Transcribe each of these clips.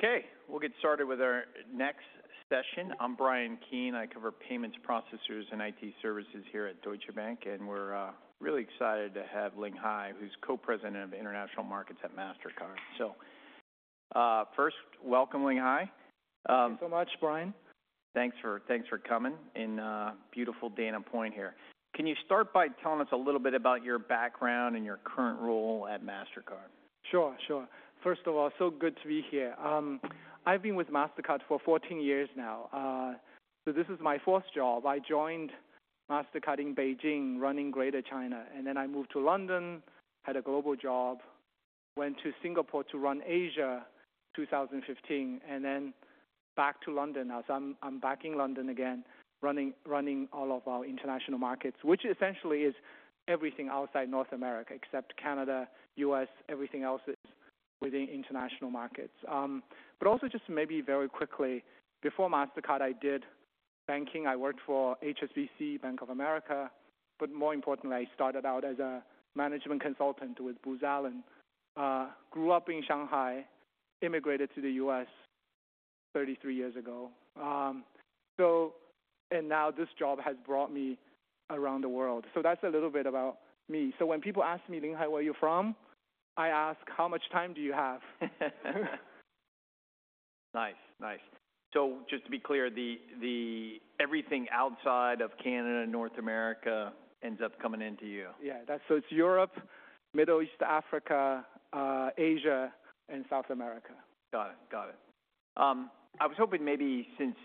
Okay, we'll get started with our next session. I'm Bryan Keane. I cover payments, processors, and IT services here at Deutsche Bank, and we're really excited to have Ling Hai, who's Co-President of International Markets at Mastercard. So, first, welcome, Ling Hai, Thank you so much, Bryan. Thanks for, thanks for coming in, beautiful Dana Point here. Can you start by telling us a little bit about your background and your current role at Mastercard? Sure, sure. First of all, so good to be here. I've been with Mastercard for 14 years now. So this is my fourth job. I joined Mastercard in Beijing, running Greater China, and then I moved to London, had a global job, went to Singapore to run Asia, 2015, and then back to London. Now, so I'm, I'm back in London again, running, running all of our international markets, which essentially is everything outside North America, except Canada, U.S., everything else is within international markets. But also just maybe very quickly, before Mastercard, I did banking. I worked for HSBC, Bank of America, but more importantly, I started out as a management consultant with Booz Allen. Grew up in Shanghai, immigrated to the U.S. 33 years ago. So and now this job has brought me around the world. So that's a little bit about me. So when people ask me, "Ling Hai, where are you from?" I ask, "How much time do you have? Nice. Nice. So just to be clear, the everything outside of Canada, North America, ends up coming into you. Yeah, that's so it's Europe, Middle East, Africa, Asia, and South America. Got it. Got it. I was hoping maybe since,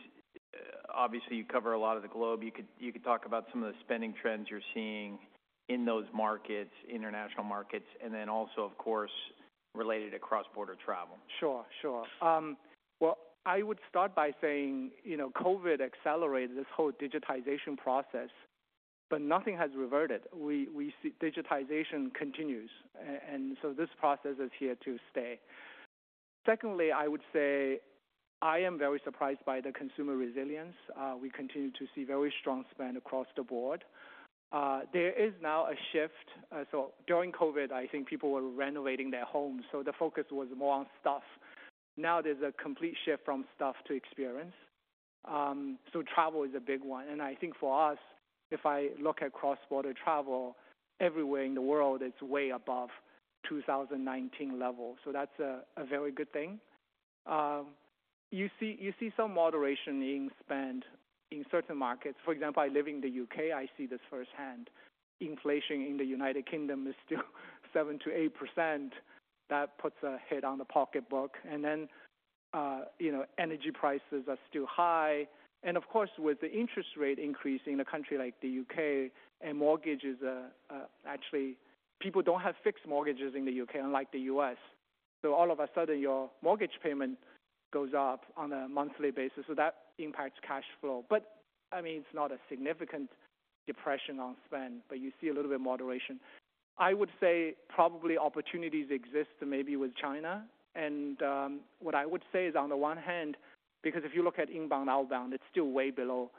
obviously, you cover a lot of the globe, you could, you could talk about some of the spending trends you're seeing in those markets, international markets, and then also, of course, related to cross-border travel. Sure, sure. Well, I would start by saying, you know, COVID accelerated this whole digitization process, but nothing has reverted. We see digitization continues, and so this process is here to stay. Secondly, I would say I am very surprised by the consumer resilience. We continue to see very strong spend across the board. There is now a shift. So during COVID, I think people were renovating their homes, so the focus was more on stuff. Now there's a complete shift from stuff to experience. So travel is a big one, and I think for us, if I look at cross-border travel, everywhere in the world, it's way above 2019 levels. So that's a very good thing. You see some moderation in spend in certain markets. For example, I live in the U.K., I see this firsthand. Inflation in the United Kingdom is still 7%-8%. That puts a hit on the pocketbook. And then, you know, energy prices are still high. And of course, with the interest rate increase in a country like the U.K. and mortgages. Actually, people don't have fixed mortgages in the U.K., unlike the U.S., so all of a sudden, your mortgage payment goes up on a monthly basis, so that impacts cash flow. But, I mean, it's not a significant depression on spend, but you see a little bit of moderation. I would say probably opportunities exist maybe with China. And, what I would say is, on the one hand, because if you look at inbound, outbound, it's still way below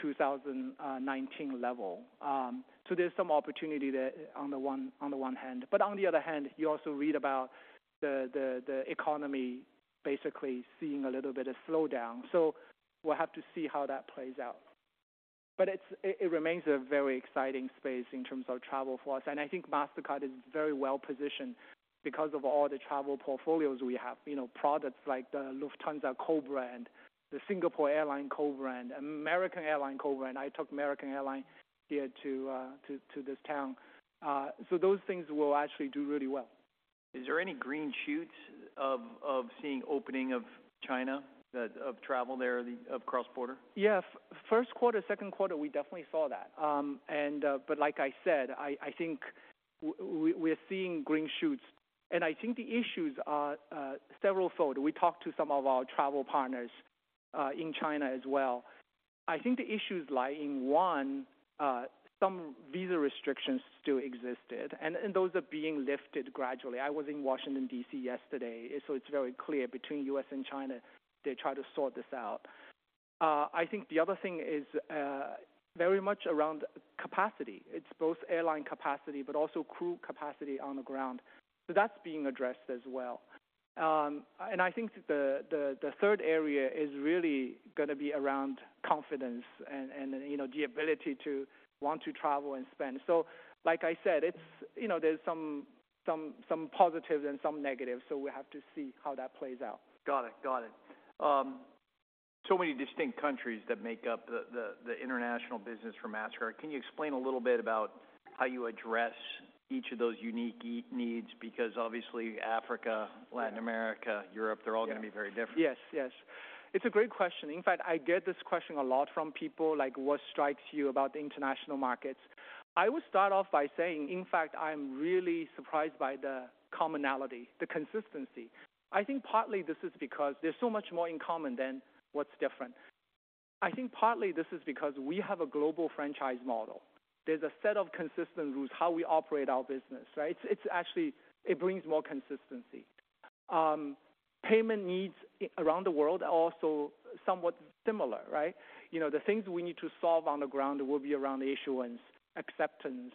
2019 level. So there's some opportunity there on the one hand. But on the other hand, you also read about the economy basically seeing a little bit of slowdown. So we'll have to see how that plays out. But it remains a very exciting space in terms of travel for us, and I think Mastercard is very well-positioned because of all the travel portfolios we have. You know, products like the Lufthansa co-brand, the Singapore Airlines co-brand, American Airlines co-brand. I took American Airlines here to this town. So those things will actually do really well. Is there any green shoots of seeing opening of China, of travel there, of cross-border? Yeah. First quarter, second quarter, we definitely saw that. And, but like I said, I think we, we're seeing green shoots, and I think the issues are severalfold. We talked to some of our travel partners in China as well. I think the issues lie in, one, some visa restrictions still existed, and those are being lifted gradually. I was in Washington, D.C., yesterday, so it's very clear between U.S. and China, they try to sort this out. I think the other thing is very much around capacity. It's both airline capacity but also crew capacity on the ground. So that's being addressed as well. And I think the third area is really gonna be around confidence and, you know, the ability to want to travel and spend. So, like I said, it's, you know, there's some positives and some negatives, so we have to see how that plays out. Got it. Got it. So many distinct countries that make up the international business for Mastercard. Can you explain a little bit about how you address each of those unique needs? Because obviously, Africa, Latin America- Yeah Europe, they're all- Yeah Gonna be very different. Yes, yes. It's a great question. In fact, I get this question a lot from people, like, what strikes you about the international markets? I would start off by saying, in fact, I'm really surprised by the commonality, the consistency. I think partly this is because there's so much more in common than what's different. I think partly this is because we have a global franchise model. There's a set of consistent rules, how we operate our business, right? It's actually. It brings more consistency. Payment needs around the world are also somewhat similar, right? You know, the things we need to solve on the ground will be around issuance, acceptance,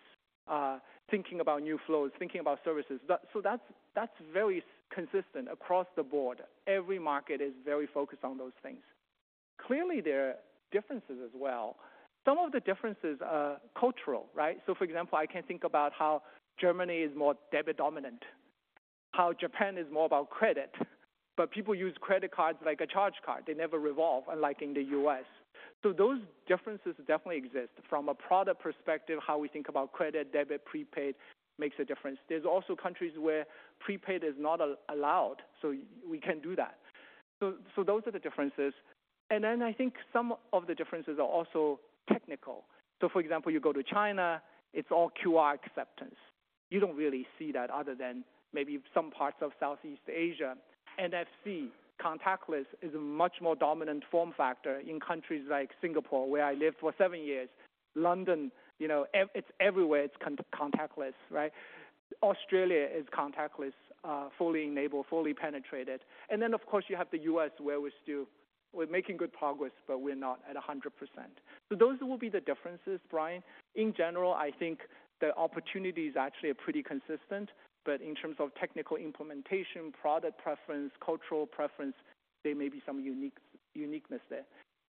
thinking about new flows, thinking about services. But so that's very consistent across the board. Every market is very focused on those things. Clearly, there are differences as well. Some of the differences are cultural, right? So for example, I can think about how Germany is more debit-dominant, how Japan is more about credit, but people use credit cards like a charge card. They never revolve, unlike in the U.S. So those differences definitely exist. From a product perspective, how we think about credit, debit, prepaid makes a difference. There's also countries where prepaid is not allowed, so we can't do that. So those are the differences. And then I think some of the differences are also technical. So for example, you go to China, it's all QR acceptance. You don't really see that other than maybe some parts of Southeast Asia. NFC, contactless, is a much more dominant form factor in countries like Singapore, where I lived for seven years. London, you know, it's everywhere, it's contactless, right? Australia is contactless, fully enabled, fully penetrated. And then, of course, you have the U.S., where we're still... We're making good progress, but we're not at 100%. So those will be the differences, Bryan. In general, I think the opportunities actually are pretty consistent, but in terms of technical implementation, product preference, cultural preference, there may be some uniqueness there.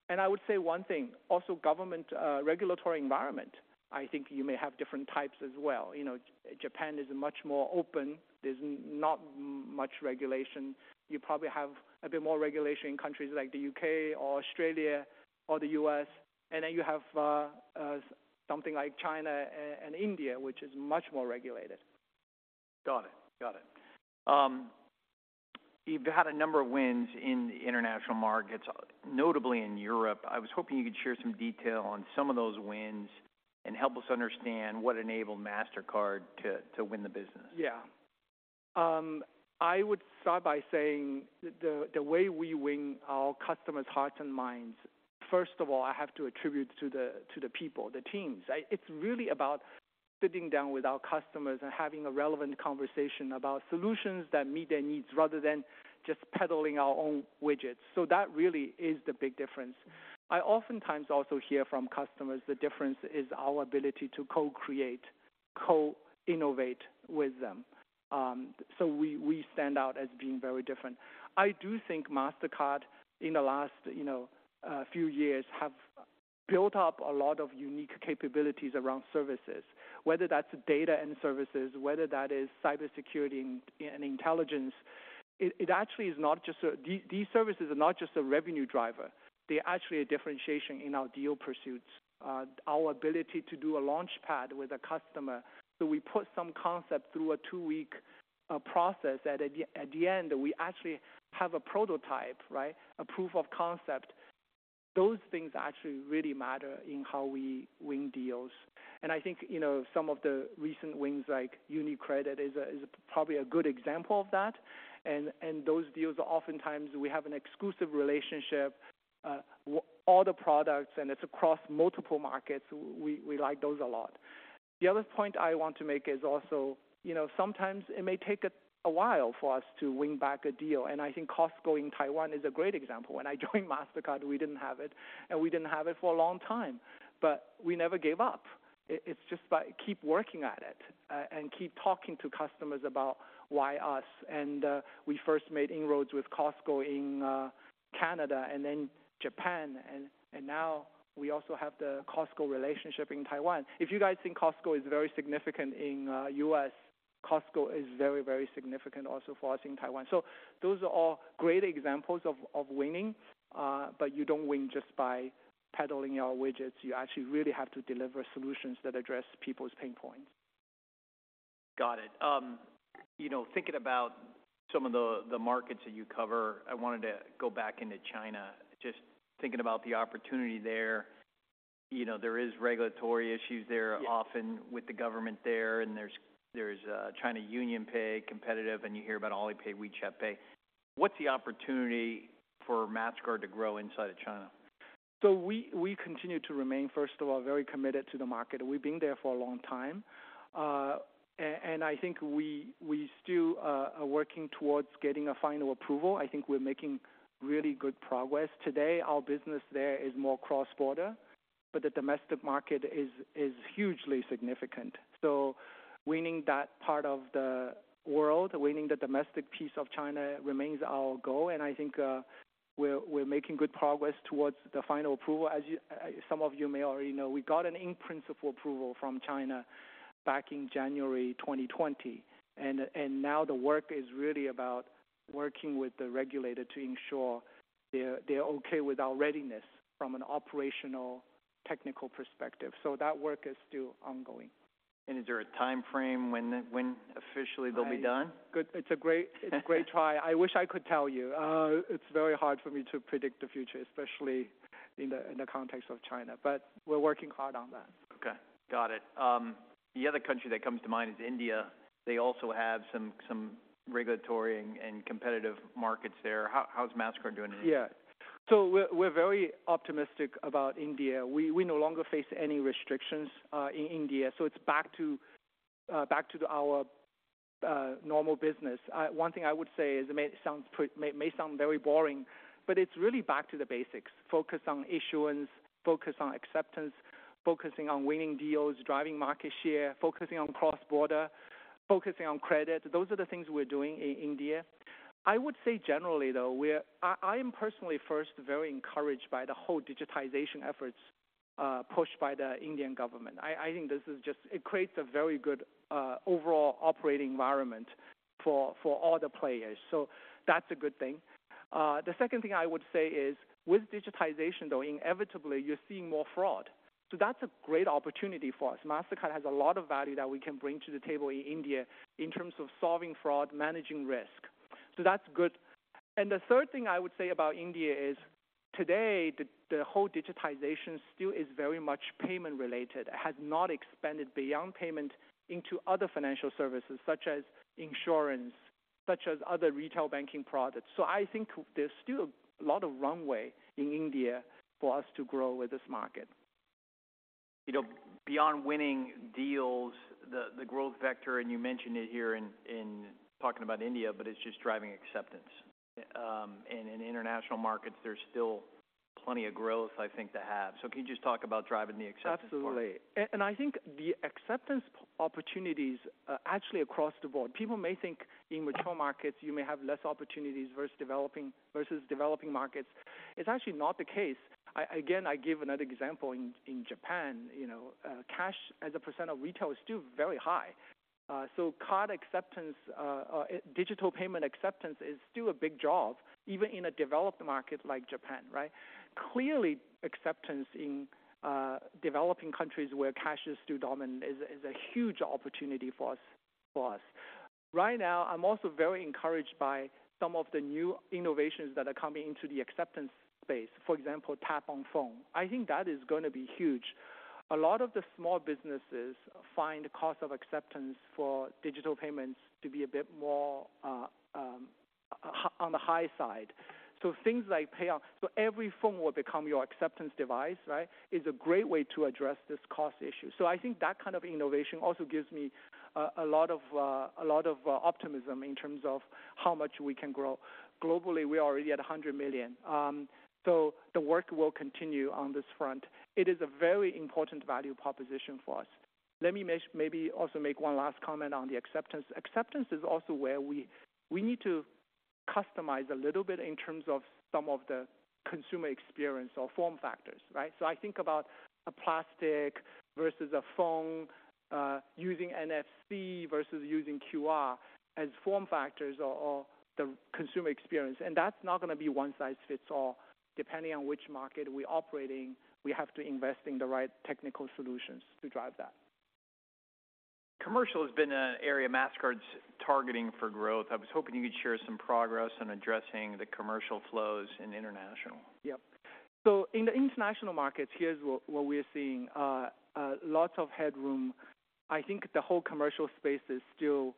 And I would say one thing, also government, regulatory environment, I think you may have different types as well. You know, Japan is much more open. There's not much regulation. You probably have a bit more regulation in countries like the U.K. or Australia or the U.S., and then you have, something like China and India, which is much more regulated. Got it. Got it. You've had a number of wins in the international markets, notably in Europe. I was hoping you could share some detail on some of those wins and help us understand what enabled Mastercard to, to win the business. Yeah. I would start by saying the way we win our customers' hearts and minds, first of all, I have to attribute to the people, the teams. It's really about sitting down with our customers and having a relevant conversation about solutions that meet their needs, rather than just peddling our own widgets. So that really is the big difference. I oftentimes also hear from customers the difference is our ability to co-create, co-innovate with them. So we stand out as being very different. I do think Mastercard, in the last, you know, few years, have built up a lot of unique capabilities around services, whether that's data and services, whether that is cybersecurity and intelligence. It actually is not just a... These services are not just a revenue driver. They're actually a differentiation in our deal pursuits. Our ability to do a Launchpad with a customer, so we put some concept through a two-week process, and at the end, we actually have a prototype, right? A proof of concept. Those things actually really matter in how we win deals. I think, you know, some of the recent wins, like UniCredit, is probably a good example of that. And those deals, oftentimes we have an exclusive relationship with all the products, and it's across multiple markets. We like those a lot. The other point I want to make is also, you know, sometimes it may take a while for us to win back a deal, and I think Costco in Taiwan is a great example. When I joined Mastercard, we didn't have it, and we didn't have it for a long time, but we never gave up. It's just like, keep working at it, and keep talking to customers about why us? And we first made inroads with Costco in Canada and then Japan, and now we also have the Costco relationship in Taiwan. If you guys think Costco is very significant in the U.S., Costco is very, very significant also for us in Taiwan. So those are all great examples of winning, but you don't win just by peddling our widgets. You actually really have to deliver solutions that address people's pain points. Got it. You know, thinking about some of the markets that you cover, I wanted to go back into China. Just thinking about the opportunity there, you know, there is regulatory issues there- Yeah often with the government there, and there's China UnionPay competitive, and you hear about Alipay, WeChat Pay. What's the opportunity for Mastercard to grow inside of China? So we continue to remain, first of all, very committed to the market. We've been there for a long time, and I think we still are working towards getting a final approval. I think we're making really good progress. Today, our business there is more cross-border, but the domestic market is hugely significant. So winning that part of the world, winning the domestic piece of China remains our goal, and I think we're making good progress towards the final approval. As some of you may already know, we got an in-principle approval from China back in January 2020. And now the work is really about working with the regulator to ensure they're okay with our readiness from an operational, technical perspective. So that work is still ongoing. Is there a timeframe when officially they'll be done? Good. It's a great try. I wish I could tell you. It's very hard for me to predict the future, especially in the context of China, but we're working hard on that. Okay. Got it. The other country that comes to mind is India. They also have some regulatory and competitive markets there. How's Mastercard doing in India? Yeah. So we're very optimistic about India. We no longer face any restrictions in India, so it's back to the normal business. One thing I would say is, it may sound very boring, but it's really back to the basics. Focus on issuance, focus on acceptance, focusing on winning deals, driving market share, focusing on cross-border, focusing on credit. Those are the things we're doing in India. I would say generally, though, I am personally first very encouraged by the whole digitization efforts pushed by the Indian government. I think this is just it creates a very good overall operating environment for all the players. So that's a good thing. The second thing I would say is, with digitization, though, inevitably you're seeing more fraud. So that's a great opportunity for us. Mastercard has a lot of value that we can bring to the table in India in terms of solving fraud, managing risk. So that's good. The third thing I would say about India is, today, the whole digitization still is very much payment related. It has not expanded beyond payment into other financial services such as insurance, such as other retail banking products. I think there's still a lot of runway in India for us to grow with this market. You know, beyond winning deals, the growth vector, and you mentioned it here in talking about India, but it's just driving acceptance. And in international markets, there's still plenty of growth, I think, to have. So can you just talk about driving the acceptance part? Absolutely. And I think the acceptance opportunities are actually across the board. People may think in mature markets, you may have less opportunities versus developing markets. It's actually not the case. Again, I give another example in Japan, you know, cash as a percent of retail is still very high. So card acceptance, digital payment acceptance is still a big job, even in a developed market like Japan, right? Clearly, acceptance in developing countries where cash is still dominant is a huge opportunity for us. Right now, I'm also very encouraged by some of the new innovations that are coming into the acceptance space, for example, Tap on Phone. I think that is going to be huge. A lot of the small businesses find the cost of acceptance for digital payments to be a bit more on the high side. So things like Tap on Phone. So every phone will become your acceptance device, right? Is a great way to address this cost issue. So I think that kind of innovation also gives me a lot of optimism in terms of how much we can grow. Globally, we are already at 100 million. So the work will continue on this front. It is a very important value proposition for us. Let me maybe also make one last comment on the acceptance. Acceptance is also where we need to customize a little bit in terms of some of the consumer experience or form factors, right? I think about a plastic versus a phone, using NFC versus using QR as form factors or the consumer experience, and that's not going to be one size fits all. Depending on which market we operate in, we have to invest in the right technical solutions to drive that. Commercial has been an area Mastercard's targeting for growth. I was hoping you could share some progress on addressing the commercial flows in international. Yep. So in the international markets, here's what we're seeing. Lots of headroom. I think the whole commercial space is still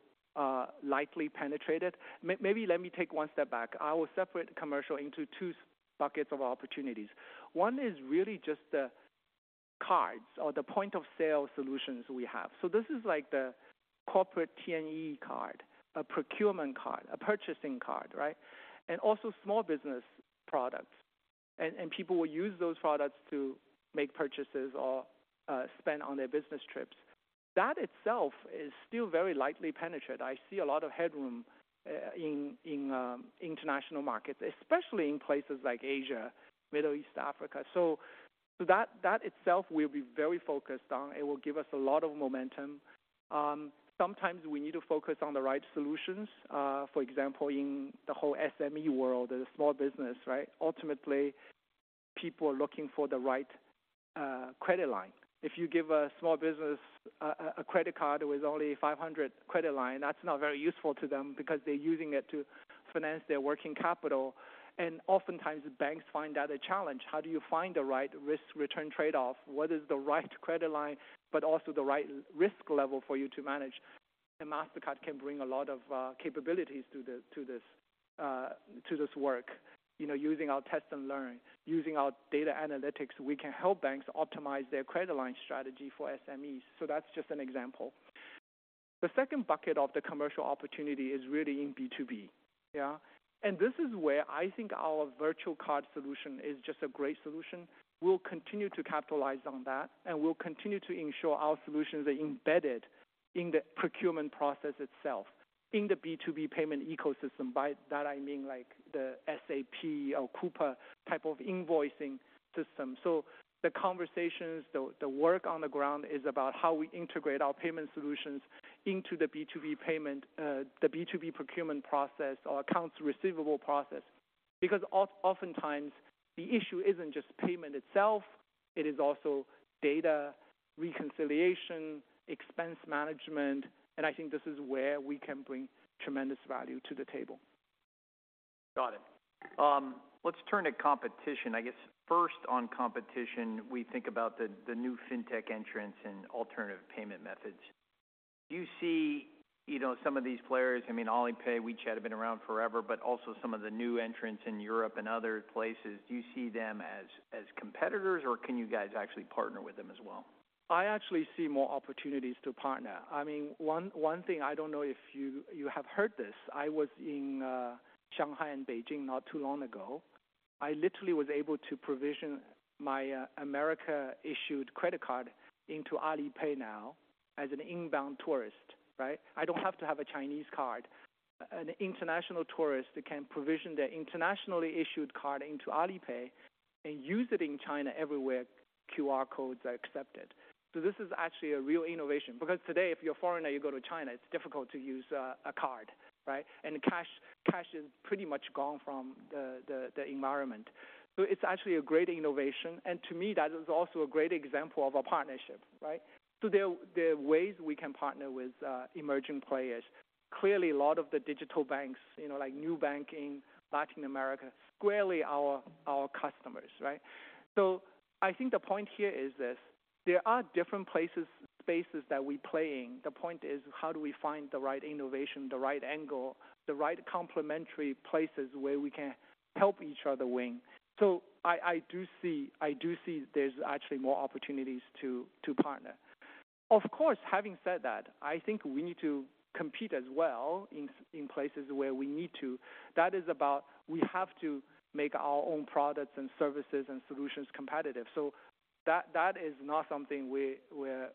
lightly penetrated. Maybe let me take one step back. I will separate commercial into two buckets of opportunities. One is really just the cards or the point of sale solutions we have. So this is like the corporate T&E card, a procurement card, a purchasing card, right? And also small business products. And people will use those products to make purchases or spend on their business trips. That itself is still very lightly penetrated. I see a lot of headroom in international markets, especially in places like Asia, Middle East, Africa. So that itself will be very focused on. It will give us a lot of momentum. Sometimes we need to focus on the right solutions, for example, in the whole SME world, the small business, right? Ultimately, people are looking for the right credit line. If you give a small business a credit card with only $500 credit line, that's not very useful to them because they're using it to finance their working capital. And oftentimes, banks find that a challenge. How do you find the right risk-return trade-off? What is the right credit line, but also the right risk level for you to manage? And Mastercard can bring a lot of capabilities to this work. You know, using our Test & Learn, using our data analytics, we can help banks optimize their credit line strategy for SMEs. So that's just an example. The second bucket of the commercial opportunity is really in B2B. Yeah. And this is where I think our virtual card solution is just a great solution. We'll continue to capitalize on that, and we'll continue to ensure our solutions are embedded in the procurement process itself, in the B2B payment ecosystem. By that I mean like the SAP or Coupa type of invoicing system. So the conversations, the work on the ground is about how we integrate our payment solutions into the B2B payment, the B2B procurement process or accounts receivable process. Because oftentimes, the issue isn't just payment itself, it is also data reconciliation, expense management, and I think this is where we can bring tremendous value to the table. Got it. Let's turn to competition. I guess first on competition, we think about the new fintech entrants and alternative payment methods. Do you see, you know, some of these players, I mean, Alipay, WeChat have been around forever, but also some of the new entrants in Europe and other places, do you see them as competitors, or can you guys actually partner with them as well? I actually see more opportunities to partner. I mean, one thing I don't know if you have heard this, I was in Shanghai and Beijing not too long ago. I literally was able to provision my American-issued credit card into Alipay now as an inbound tourist, right? I don't have to have a Chinese card. An international tourist can provision their internationally issued card into Alipay and use it in China everywhere QR codes are accepted. So this is actually a real innovation because today, if you're a foreigner, you go to China, it's difficult to use a card, right? And cash is pretty much gone from the environment. So it's actually a great innovation, and to me, that is also a great example of a partnership, right? So there are ways we can partner with emerging players. Clearly, a lot of the digital banks, you know, like Nubank, Latin America, squarely our customers, right? So I think the point here is this: there are different places, spaces that we play in. The point is, how do we find the right innovation, the right angle, the right complementary places where we can help each other win? So I do see, I do see there's actually more opportunities to partner. Of course, having said that, I think we need to compete as well in places where we need to. That is about, we have to make our own products and services and solutions competitive. So that is not something we're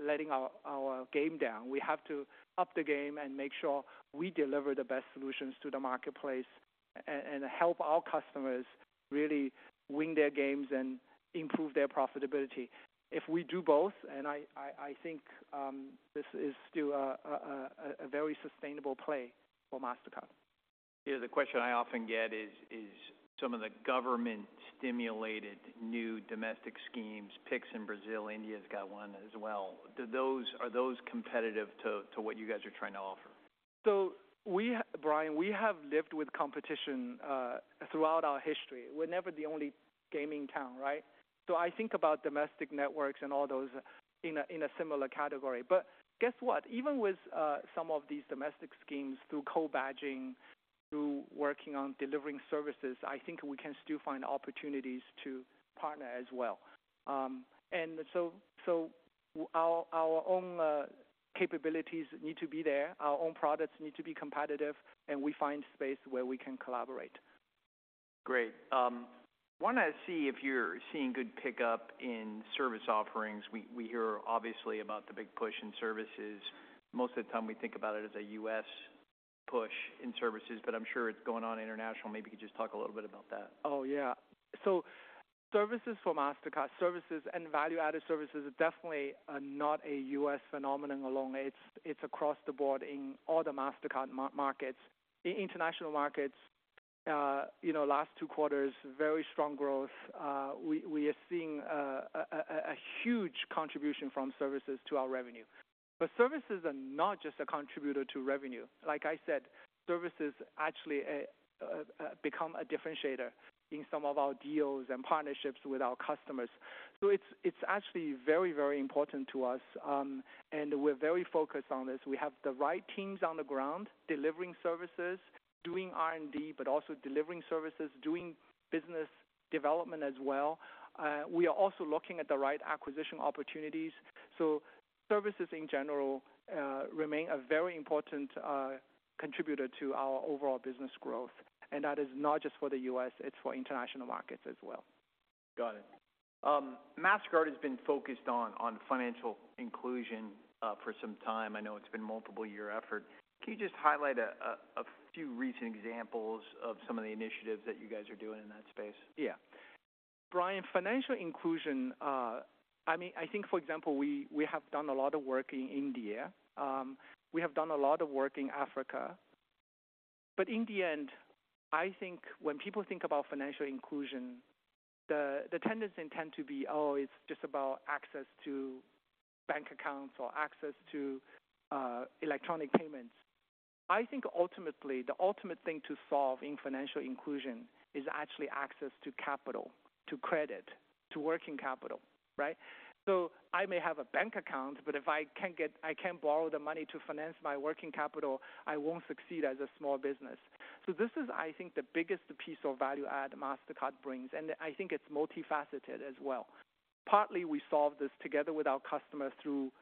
letting our game down. We have to up the game and make sure we deliver the best solutions to the marketplace and help our customers really win their games and improve their profitability. If we do both, and I think this is still a very sustainable play for Mastercard. Yeah, the question I often get is, is some of the government-stimulated new domestic schemes, Pix in Brazil, India's got one as well. Are those competitive to, to what you guys are trying to offer? So we, Brian, we have lived with competition throughout our history. We're never the only game in town, right? So I think about domestic networks and all those in a similar category. But guess what? Even with some of these domestic schemes through co-badging, through working on delivering services, I think we can still find opportunities to partner as well. And so our own capabilities need to be there, our own products need to be competitive, and we find space where we can collaborate. Great. Want to see if you're seeing good pickup in service offerings. We hear obviously about the big push in services. Most of the time we think about it as a U.S. push in services, but I'm sure it's going on international. Maybe you could just talk a little bit about that. Oh, yeah. So services for Mastercard, services and value-added services are definitely not a U.S. phenomenon alone. It's across the board in all the Mastercard markets. In international markets, you know, last two quarters, very strong growth. We are seeing a huge contribution from services to our revenue. But services are not just a contributor to revenue. Like I said, services actually become a differentiator in some of our deals and partnerships with our customers. So it's actually very, very important to us, and we're very focused on this. We have the right teams on the ground, delivering services, doing R&D, but also delivering services, doing business development as well. We are also looking at the right acquisition opportunities. Services in general remain a very important contributor to our overall business growth, and that is not just for the U.S., it's for international markets as well. Got it. Mastercard has been focused on financial inclusion for some time. I know it's been a multiple-year effort. Can you just highlight a few recent examples of some of the initiatives that you guys are doing in that space? Yeah. Bryan, financial inclusion, I mean, I think, for example, we have done a lot of work in India. We have done a lot of work in Africa. But in the end, I think when people think about financial inclusion, the tendency tend to be, oh, it's just about access to bank accounts or access to electronic payments. I think ultimately, the ultimate thing to solve in financial inclusion is actually access to capital, to credit, to working capital, right? So I may have a bank account, but if I can't get—I can't borrow the money to finance my working capital, I won't succeed as a small business. So this is, I think, the biggest piece of value add Mastercard brings, and I think it's multifaceted as well. Partly, we solve this together with our customers through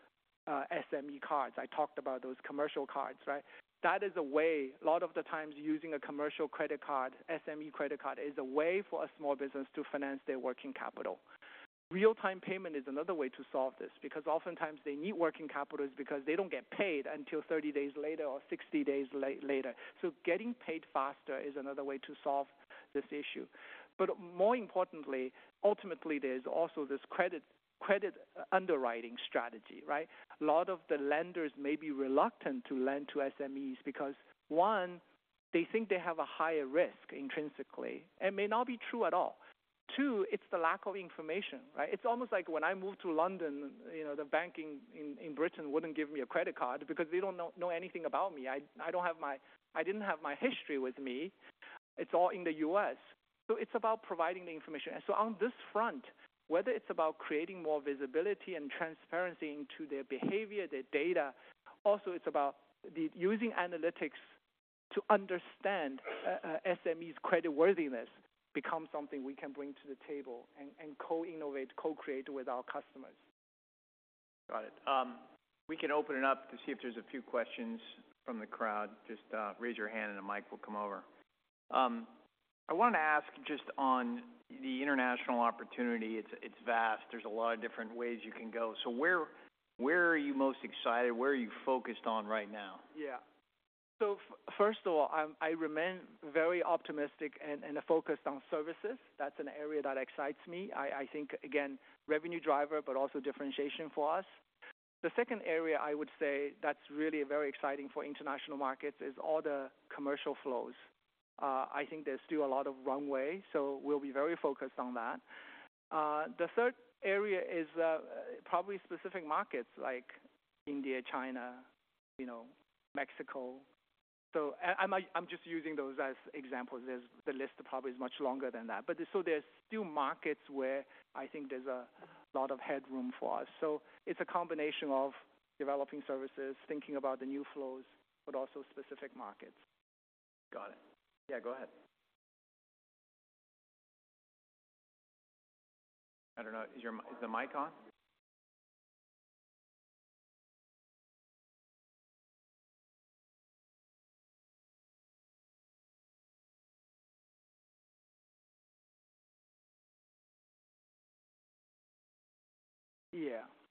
SME cards. I talked about those commercial cards, right? That is a way, a lot of the times, using a commercial credit card, SME credit card, is a way for a small business to finance their working capital. Real-time payment is another way to solve this because oftentimes they need working capital because they don't get paid until 30 days later or 60 days later. So getting paid faster is another way to solve this issue. But more importantly, ultimately, there's also this credit, credit underwriting strategy, right? A lot of the lenders may be reluctant to lend to SMEs because, one, they think they have a higher risk intrinsically, and may not be true at all. Two, it's the lack of information, right? It's almost like when I moved to London, you know, the banking in Britain wouldn't give me a credit card because they don't know anything about me. I don't have my-- I didn't have my history with me.... It's all in the U.S. So it's about providing the information. And so on this front, whether it's about creating more visibility and transparency into their behavior, their data, also, it's about the using analytics to understand SME's creditworthiness, becomes something we can bring to the table and co-innovate, co-create with our customers. Got it. We can open it up to see if there's a few questions from the crowd. Just, raise your hand and a mic will come over. I wanted to ask just on the international opportunity, it's, it's vast. There's a lot of different ways you can go. So where, where are you most excited? Where are you focused on right now? Yeah. So first of all, I remain very optimistic and focused on services. That's an area that excites me. I think, again, revenue driver, but also differentiation for us. The second area I would say that's really very exciting for international markets is all the commercial flows. I think there's still a lot of runway, so we'll be very focused on that. The third area is probably specific markets like India, China, you know, Mexico. So I'm just using those as examples. There's the list probably is much longer than that, but so there's still markets where I think there's a lot of headroom for us. So it's a combination of developing services, thinking about the new flows, but also specific markets. Got it. Yeah, go ahead. I don't know, is the mic on? Yeah.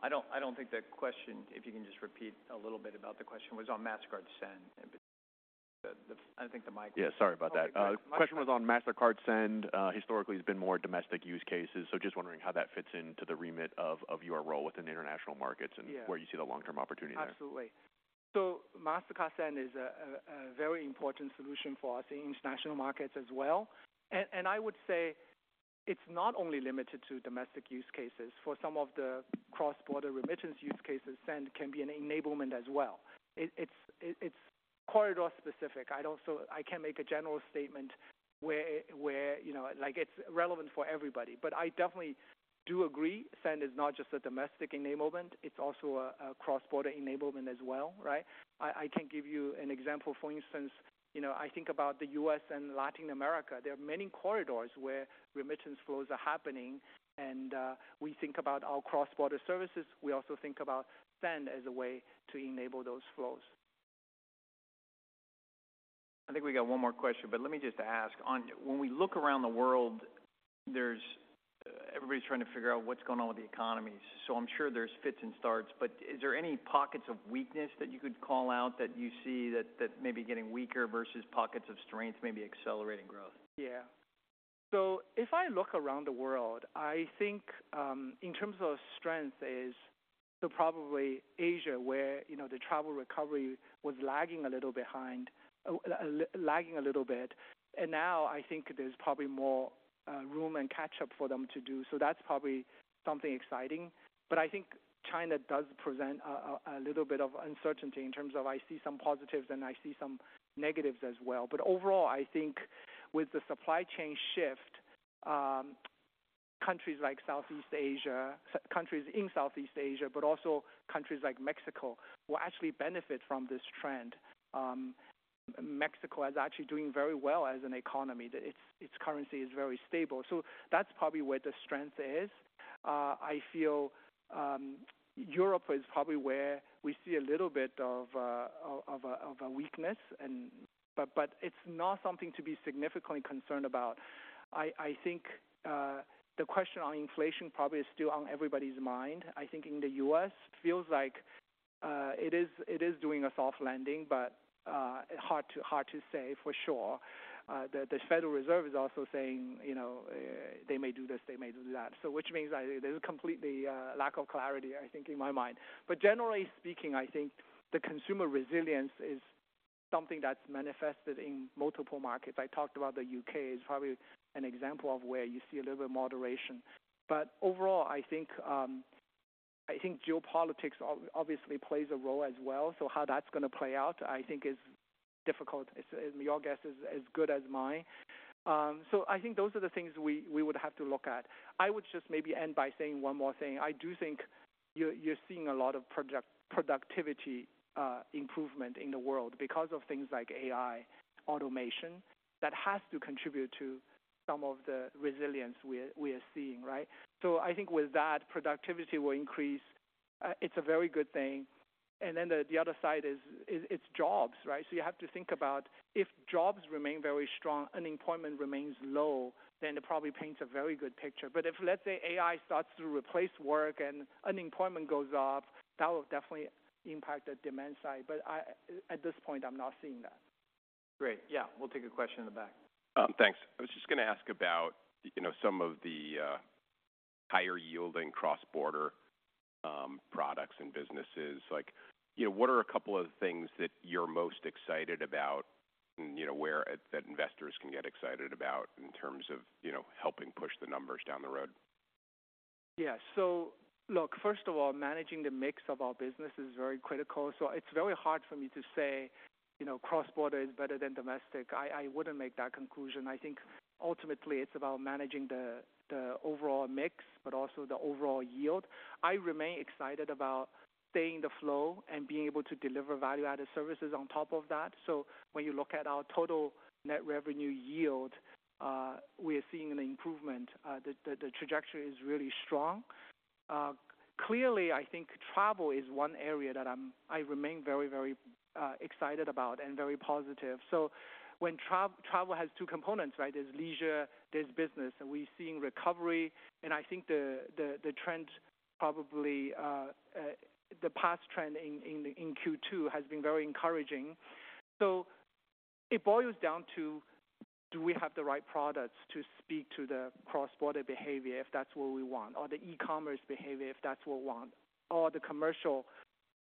I don't, I don't think the question, if you can just repeat a little bit about the question, was on Mastercard Send. I think the mic- Yeah, sorry about that. Okay, great. The question was on Mastercard Send. Historically, it's been more domestic use cases, so just wondering how that fits into the remit of your role within the international markets- Yeah. And where you see the long-term opportunity there? Absolutely. So Mastercard Send is a very important solution for us in international markets as well. And I would say it's not only limited to domestic use cases. For some of the cross-border remittance use cases, Send can be an enablement as well. It's corridor specific. I'd also... I can't make a general statement where, you know, like, it's relevant for everybody. But I definitely do agree, Send is not just a domestic enablement, it's also a cross-border enablement as well, right? I can give you an example. For instance, you know, I think about the U.S. and Latin America. There are many corridors where remittance flows are happening, and we think about our cross-border services. We also think about Send as a way to enable those flows. I think we got one more question, but let me just ask. On, when we look around the world, there's, everybody's trying to figure out what's going on with the economy. So I'm sure there's fits and starts, but is there any pockets of weakness that you could call out that you see that, that may be getting weaker versus pockets of strength, maybe accelerating growth? Yeah. So if I look around the world, I think, in terms of strength is so probably Asia, where, you know, the travel recovery was lagging a little behind, lagging a little bit. And now I think there's probably more room and catch-up for them to do. So that's probably something exciting. But I think China does present a little bit of uncertainty in terms of I see some positives and I see some negatives as well. But overall, I think with the supply chain shift, countries like Southeast Asia, countries in Southeast Asia, but also countries like Mexico, will actually benefit from this trend. Mexico is actually doing very well as an economy. Its currency is very stable, so that's probably where the strength is. I feel Europe is probably where we see a little bit of a weakness, but it's not something to be significantly concerned about. I think the question on inflation probably is still on everybody's mind. I think in the U.S., it feels like it is doing a soft landing, but hard to say for sure. The Federal Reserve is also saying, you know, they may do this, they may do that. So which means there's completely lack of clarity, I think, in my mind. But generally speaking, I think the consumer resilience is something that's manifested in multiple markets. I talked about the U.K. is probably an example of where you see a little moderation. But overall, I think geopolitics obviously plays a role as well. So how that's going to play out, I think is difficult. It's, and your guess is as good as mine. So I think those are the things we would have to look at. I would just maybe end by saying one more thing. I do think you're seeing a lot of productivity improvement in the world because of things like AI, automation. That has to contribute to some of the resilience we're seeing, right? So I think with that, productivity will increase. It's a very good thing. And then the other side is it's jobs, right? So you have to think about if jobs remain very strong, unemployment remains low, then it probably paints a very good picture. But if, let's say, AI starts to replace work and unemployment goes up, that will definitely impact the demand side. But I, at this point, I'm not seeing that. Great. Yeah, we'll take a question in the back. Thanks. I was just going to ask about, you know, some of the higher-yielding cross-border products and businesses. Like, you know, what are a couple of things that you're most excited about, you know, where that investors can get excited about in terms of, you know, helping push the numbers down the road? Yeah. So look, first of all, managing the mix of our business is very critical. So it's very hard for me to say, you know, cross-border is better than domestic. I, I wouldn't make that conclusion. I think ultimately it's about managing the overall mix, but also the overall yield. I remain excited about staying the flow and being able to deliver value-added services on top of that. So when you look at our total net revenue yield, we are seeing an improvement. The trajectory is really strong. Clearly, I think travel is one area that I remain very, very excited about and very positive. So when travel has two components, right? There's leisure, there's business, and we're seeing recovery. I think the trend, probably, the past trend in Q2 has been very encouraging. So it boils down to, do we have the right products to speak to the cross-border behavior, if that's what we want, or the e-commerce behavior, if that's what we want, or the commercial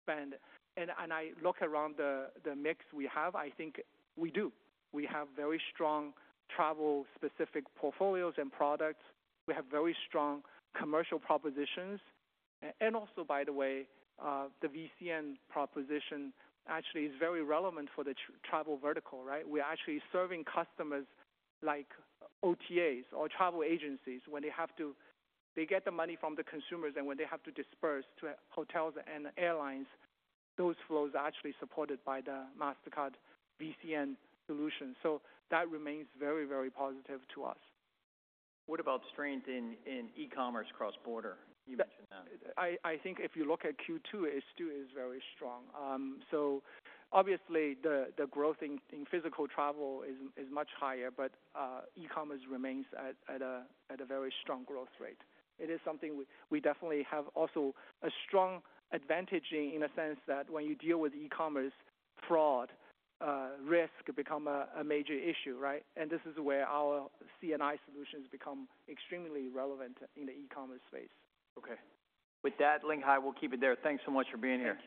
spend? And I look around the mix we have, I think we do. We have very strong travel-specific portfolios and products. We have very strong commercial propositions. And also, by the way, the VCN proposition actually is very relevant for the travel vertical, right? We are actually serving customers like OTAs or travel agencies when they have to... They get the money from the consumers, and when they have to disperse to hotels and airlines, those flows are actually supported by the Mastercard VCN solution. That remains very, very positive to us. What about strength in e-commerce cross-border? You mentioned that. I think if you look at Q2, it still is very strong. So obviously the growth in physical travel is much higher, but e-commerce remains at a very strong growth rate. It is something we definitely have also a strong advantage in, in a sense that when you deal with e-commerce fraud, risk become a major issue, right? And this is where our C&I solutions become extremely relevant in the e-commerce space. Okay. With that, Ling Hai, we'll keep it there. Thanks so much for being here.